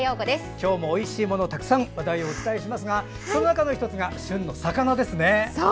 今日もおいしい話題たくさんお伝えしますがその中の１つが旬の魚ですね。